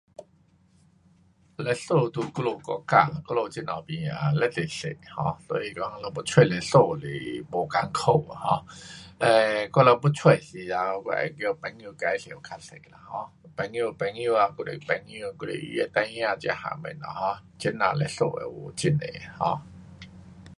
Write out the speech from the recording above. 律师在我们国家，在我们这头边啊，非常多 um 所以讲我们要找律师是没困苦啊 um 呃，我们要找时头我会叫朋友介绍较多啦 um，朋友的朋友，还是朋友，还是他的孩儿这样东西，um 这那的律师还是很多。um